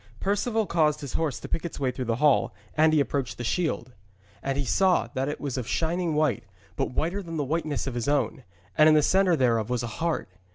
Perceval caused his horse to pick its way through the hall, and he approached the shield. And he saw that it was of shining white, but whiter than the whiteness of his own, and in the centre thereof was a heart.